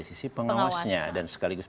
sisi pengawasnya dan sekaligus